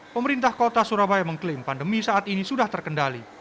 pemerintah kota surabaya mengklaim pandemi saat ini sudah terkendali